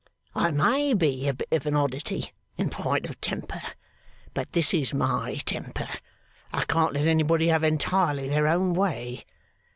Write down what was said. I may be a bit of an oddity in point of temper, but this is my temper I can't let anybody have entirely their own way.